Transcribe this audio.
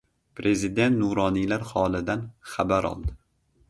Prezident nuroniylar holidan xabar oldi